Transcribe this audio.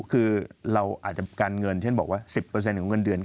คือเราอาจจะการเงินเช่นบอกว่า๑๐ของเงินเดือน